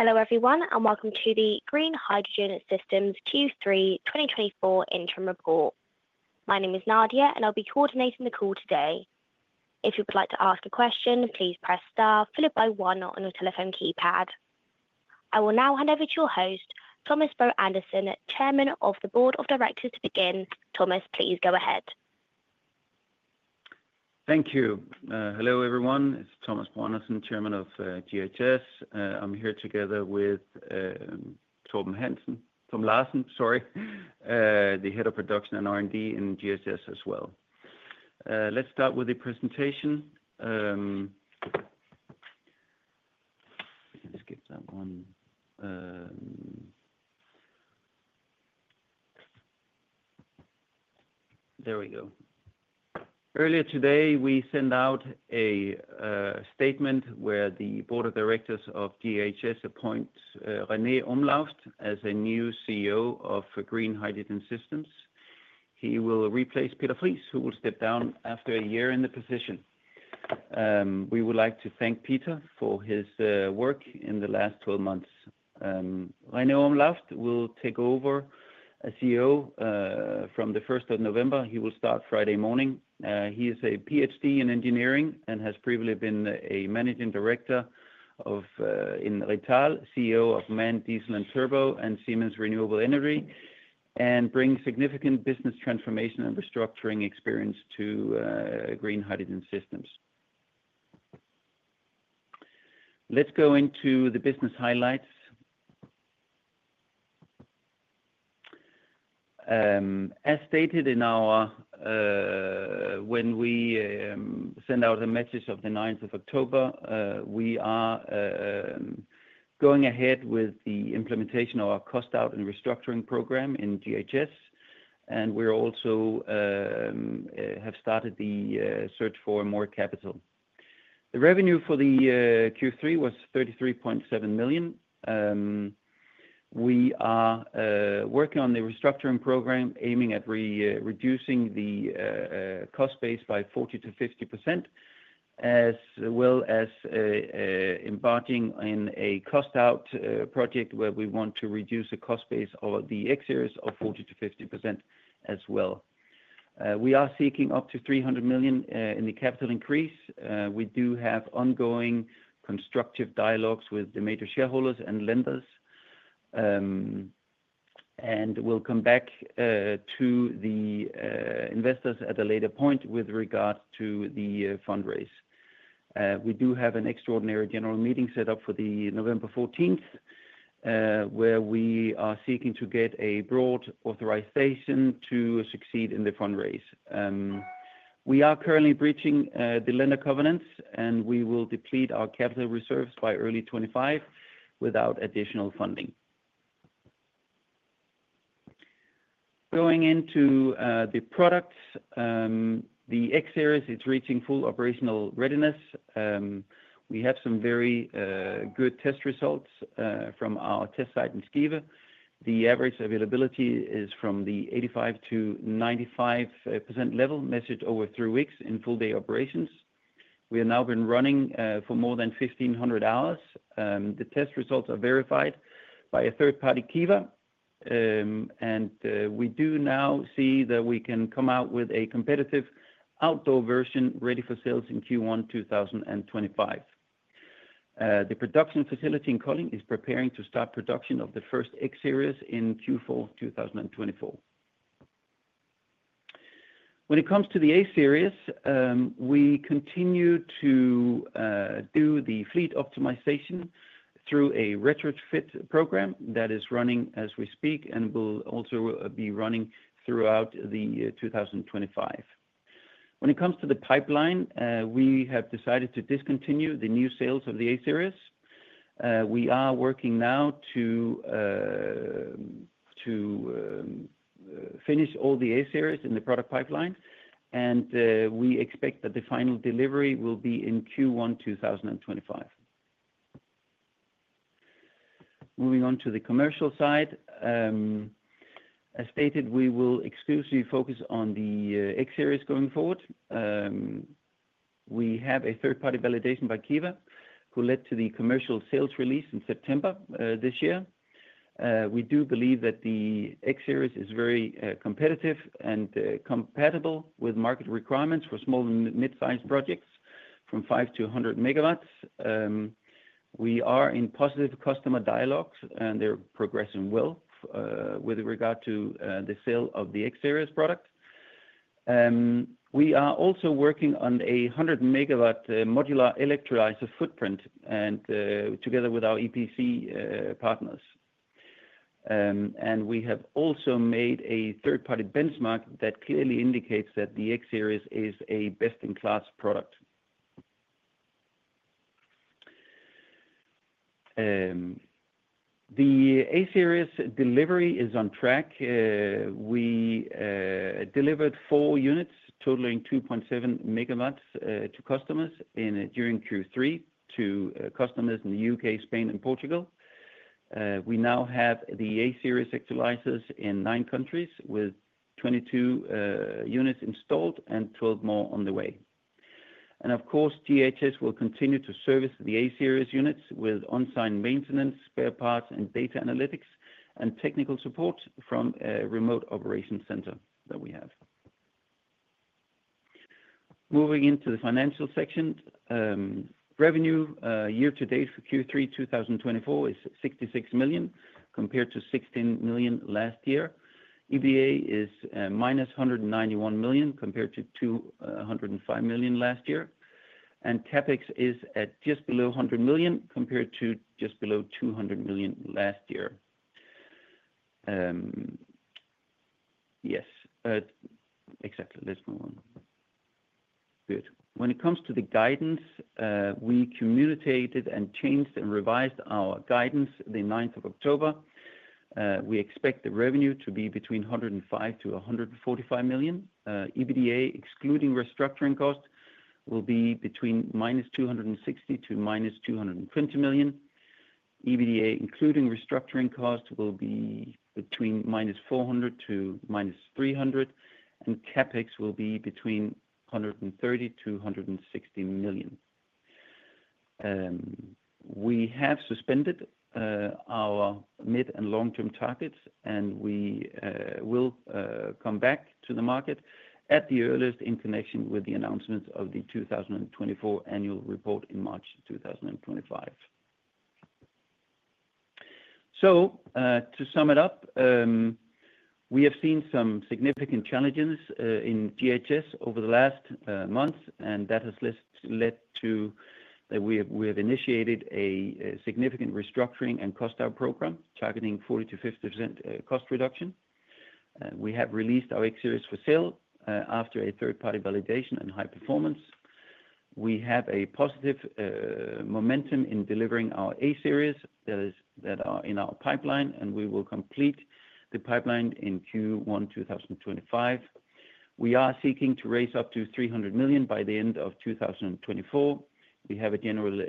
Hello everyone, and welcome to the Green Hydrogen Systems Q3 2024 interim report. My name is Nadia, and I'll be coordinating the call today. If you would like to ask a question, please press star followed by one on your telephone keypad. I will now hand over to your host, Thomas Broe-Andersen, Chairman of the Board of Directors, to begin. Thomas, please go ahead. Thank you. Hello everyone, it's Thomas Broe-Andersen, Chairman of GHS. I'm here together with Tom Larsen, sorry, the Head of Production and R&D in GHS as well. Let's start with the presentation. There we go. Earlier today, we sent out a statement where the Board of Directors of GHS appoints René Umlauft as a new CEO of Green Hydrogen Systems. He will replace Peter Friis, who will step down after a year in the position. We would like to thank Peter for his work in the last 12 months. René Umlauft will take over as CEO from the 1st of November. He will start Friday morning. He is a PhD in engineering and has previously been a Managing Director in Rittal, CEO of MAN Diesel and Turbo and Siemens Renewable Energy, and brings significant business transformation and restructuring experience to Green Hydrogen Systems. Let's go into the business highlights. As stated in our when we sent out the message of the 9th of October, we are going ahead with the implementation of our cost-out and restructuring program in GHS, and we also have started the search for more capital. The revenue for the Q3 was 33.7 million. We are working on the restructuring program, aiming at reducing the cost base by 40%-50%, as well as embarking on a cost-out project where we want to reduce the cost base over the next years of 40%-50% as well. We are seeking up to 300 million in the capital increase. We do have ongoing constructive dialogues with the major shareholders and lenders, and we'll come back to the investors at a later point with regards to the fundraise. We do have an extraordinary general meeting set up for November 14th, where we are seeking to get a broad authorization to succeed in the fundraise. We are currently breaching the lender covenants, and we will deplete our capital reserves by early 2025 without additional funding. Going into the products, the X-Series is reaching full operational readiness. We have some very good test results from our test site in Skive. The average availability is from the 85%-95% level, measured over three weeks in full-day operations. We have now been running for more than 1,500 hours. The test results are verified by a third-party Kiwa, and we do now see that we can come out with a competitive outdoor version ready for sales in Q1 2025. The production facility in Kolding is preparing to start production of the first X-Series in Q4 2024. When it comes to the A-Series, we continue to do the fleet optimization through a retrofit program that is running as we speak and will also be running throughout 2025. When it comes to the pipeline, we have decided to discontinue the new sales of the A-Series. We are working now to finish all the A-Series in the product pipeline, and we expect that the final delivery will be in Q1 2025. Moving on to the commercial side, as stated, we will exclusively focus on the X-Series going forward. We have a third-party validation by Kiwa, who led to the commercial sales release in September this year. We do believe that the X-Series is very competitive and compatible with market requirements for small and mid-sized projects from five to 100 megawatts. We are in positive customer dialogues, and they're progressing well with regard to the sale of the X-Series product. We are also working on a 100-megawatt modular electrolyzer footprint together with our EPC partners. And we have also made a third-party benchmark that clearly indicates that the X-Series is a best-in-class product. The A-Series delivery is on track. We delivered four units totaling 2.7 megawatts to customers during Q3 to customers in the U.K., Spain, and Portugal. We now have the A-Series electrolyzers in nine countries with 22 units installed and 12 more on the way. And of course, GHS will continue to service the A-Series units with on-site maintenance, spare parts, and data analytics and technical support from a remote operations center that we have. Moving into the financial section, revenue year-to-date for Q3 2024 is 66 million compared to 16 million last year. EBITDA is minus 191 million compared to 205 million last year. And CapEx is at just below 100 million compared to just below 200 million last year. Yes. Exactly. Let's move on. Good. When it comes to the guidance, we communicated and changed and revised our guidance the 9th of October. We expect the revenue to be between 105-145 million. EBITDA, excluding restructuring cost, will be between minus 260-220 million. EBITDA, including restructuring cost, will be between minus 400-300 million, and CapEx will be between 130-160 million. We have suspended our mid and long-term targets, and we will come back to the market at the earliest in connection with the announcements of the 2024 annual report in March 2025. To sum it up, we have seen some significant challenges in GHS over the last month, and that has led to that we have initiated a significant restructuring and cost-out program targeting 40%-50% cost reduction. We have released our X-Series for sale after a third-party validation and high performance. We have a positive momentum in delivering our A-Series that are in our pipeline, and we will complete the pipeline in Q1 2025. We are seeking to raise up to 300 million by the end of 2024. We have a general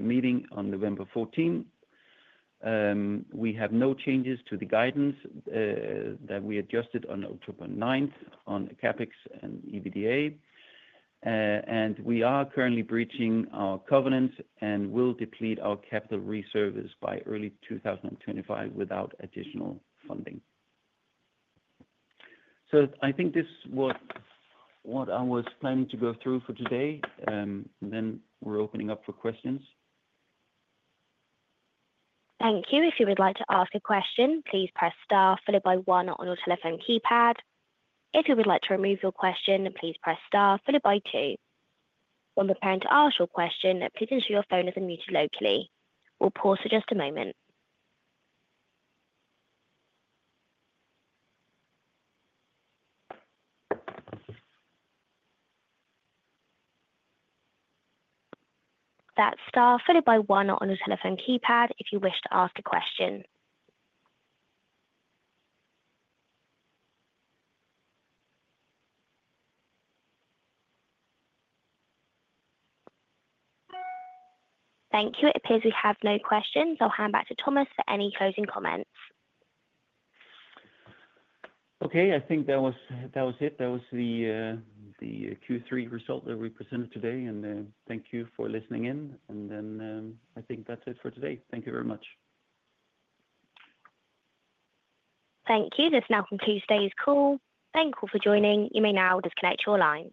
meeting on November 14th. We have no changes to the guidance that we adjusted on October 9th on CapEx and EBITDA, and we are currently breaching our covenants and will deplete our capital reserves by early 2025 without additional funding. So, I think this was what I was planning to go through for today, and then we're opening up for questions. Thank you. If you would like to ask a question, please press star followed by one on your telephone keypad. If you would like to remove your question, please press star followed by two. When preparing to ask your question, please ensure your phone is unmuted locally. We'll pause for just a moment. That's star followed by one on your telephone keypad if you wish to ask a question. Thank you. It appears we have no questions. I'll hand back to Thomas for any closing comments. Okay. I think that was it. That was the Q3 result that we presented today, and thank you for listening in. And then I think that's it for today. Thank you very much. Thank you. This now concludes today's call. Thank you all for joining. You may now disconnect your lines.